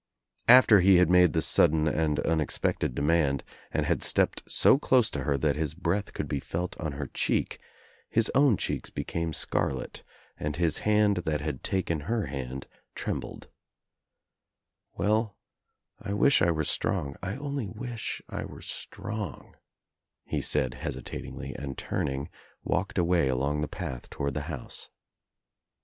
After he had made the sudden and unexpected demand and had stepped so close to her that his breath could be kfelt on her cheek, his own cheeks became scarlet and timi We ^L WAS m\ ^Kn s ■" ^■nes: ^Krier ^^ in 148 THE TRIUMPH OF THE EGG his hand that had taken her hand trembled. *'Wcll, I wish I were strong. I only wish I were strong," he said hesitatingly and turning walked away along the path toward the house.